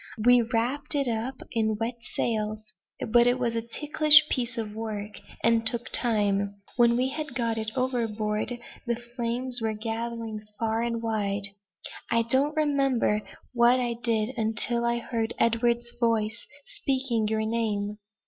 We wrapped it up in wet sails, but it was a ticklish piece of work, and took time. When we had got it overboard, the flames were gathering far and wide. I don't remember what I did until I heard Edward's voice speaking your name."